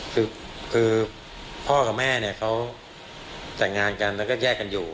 คือพ่อกับแม่เนี่ยเขาแต่งงานกันแล้วก็แยกกันอยู่